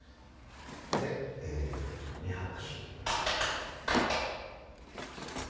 で二拍手。